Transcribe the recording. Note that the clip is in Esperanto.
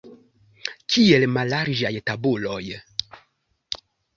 Kiel mallarĝaj tabuloj!